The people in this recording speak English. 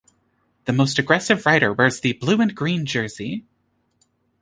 The Most Aggressive Rider wears the "Blue and Green Jersey".